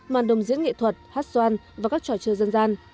màn đồng diễn nghệ thuật hát xoan và các trò chơi dân gian